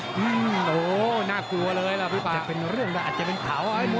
แค่เหยียวให้เห็นนิดเดียวแล้วเป็นเรื่องได้เหมือนกัน